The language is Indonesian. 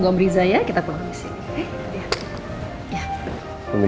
auditor ya kita pulang sekarang yuk